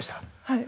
はい。